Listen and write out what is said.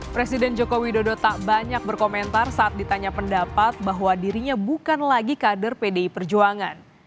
presiden joko widodo tak banyak berkomentar saat ditanya pendapat bahwa dirinya bukan lagi kader pdi perjuangan